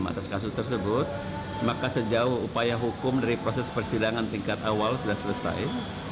atas kasus tersebut maka sejauh upaya hukum dari proses persidangan tingkat awal sudah selesai